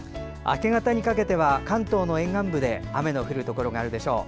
明け方にかけては関東の沿岸部で雨の降るところがあるでしょう。